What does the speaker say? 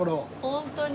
ホントに。